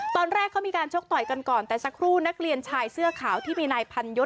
ตอนแรกเขามีการชกต่อยกันก่อนแต่สักครู่นักเรียนชายเสื้อขาวที่มีนายพันยศ